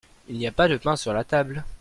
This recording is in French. Il n'y a pas de pain sur la table.